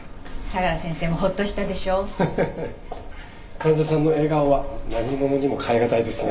患者さんの笑顔は何ものにも代え難いですね。